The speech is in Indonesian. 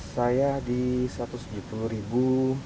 saya di satu ratus tujuh puluh ribu